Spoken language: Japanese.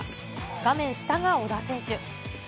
画面下が小田選手。